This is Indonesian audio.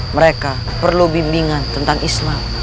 mereka perlu bimbingan tentang isma